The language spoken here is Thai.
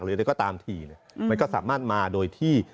มองว่าจะเห็นอะไร